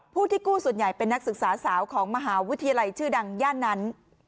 ผู้ที่กู้ส่วนใหญ่เป็นนักศึกษาสาวของมหาวิทยาลัยชื่อดังย่านนั้น